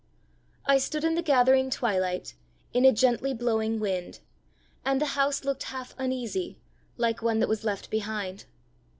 I stood in the gathering twilight, In a gently blowing wind; And the house looked half uneasy, Like one that was left behind.